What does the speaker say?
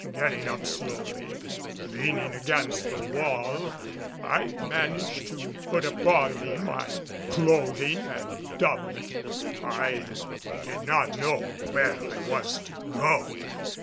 Getting up slowly, leaning against the wall, I managed to put upon me my clothing and doublet. I did not know where I was to go.